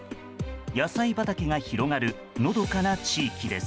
野菜畑が広がるのどかな地域です。